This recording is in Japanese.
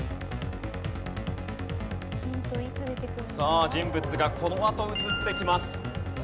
さあ人物がこのあと映ってきます。